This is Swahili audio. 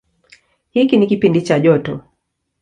Hiki ni kipindi cha joto.